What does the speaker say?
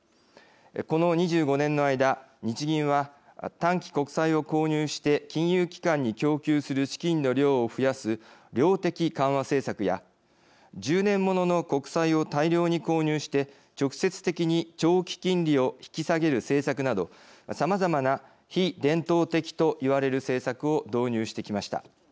この２５年の間、日銀は短期国債を購入して金融機関に供給する資金の量を増やす量的緩和政策や１０年ものの国債を大量に購入して直接的に長期金利を引き下げる政策などさまざまな非伝統的と言われる政策を導入してきました。